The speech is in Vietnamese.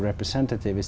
quốc gia việt nam